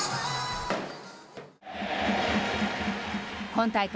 今大会